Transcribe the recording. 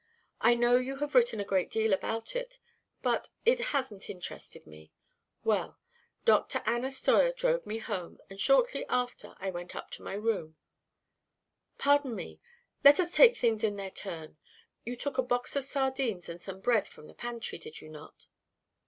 I know you have written a great deal about it, but it hasn't interested me. Well Dr. Anna Steuer drove me home, and shortly after I went up to my room " "Pardon me; let us take things in their turn. You took a box of sardines and some bread from the pantry, did you not?"